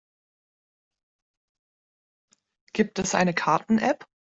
Gibt es eine Karten-App?